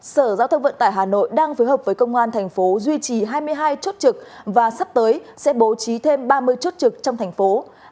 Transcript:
sở giao thông vận tải hà nội đang phối hợp với công an thành phố duy trì hai mươi hai chốt trực và sắp tới sẽ bố trí thêm ba mươi chốt trực trong thành phố